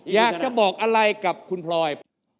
อยากจะบอกอะไรกับคุณพลอย